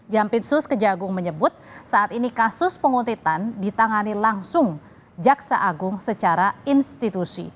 jampitsus kejagung menyebut saat ini kasus penguntitan ditangani langsung jaksa agung secara institusi